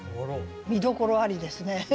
見どころありですね。